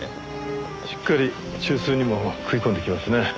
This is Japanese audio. しっかり中枢にも食い込んできますね